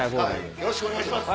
よろしくお願いします！